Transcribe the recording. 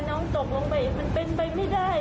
น้องตกลงไปมันเป็นไปไม่ได้